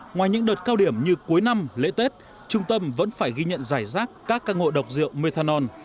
ngoài những đợt cao điểm như cuối năm lễ tết trung tâm vẫn phải ghi nhận giải rác các căn hộ độc rượu methanol